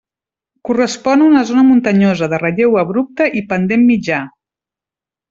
Correspon a una zona muntanyosa, de relleu abrupte i pendent mitjà.